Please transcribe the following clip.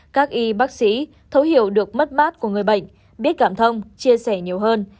các y bác sĩ thấu hiểu được mất mát của người bệnh biết cảm thông chia sẻ nhiều hơn